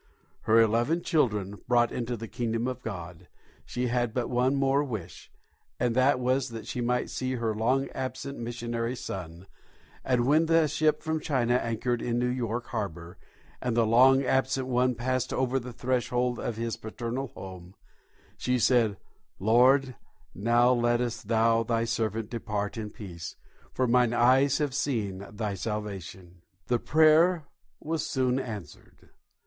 Her eleven children brought into the kingdom of God, she had but one more wish, and that was that she might see her long absent missionary son, and when the ship from China anchored in New York harbour, and the long absent one passed over the threshold of his paternal home, she said, "Lord, now lettest Thou Thy servant depart in peace, for mine eyes have seen Thy salvation." The prayer was soon answered.